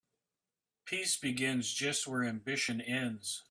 Peace begins just where ambition ends.